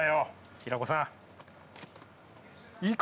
平子さん！